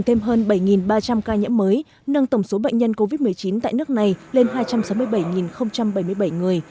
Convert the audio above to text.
thêm hơn bảy ba trăm linh ca nhiễm mới nâng tổng số bệnh nhân covid một mươi chín tại nước này lên hai trăm sáu mươi bảy bảy mươi bảy người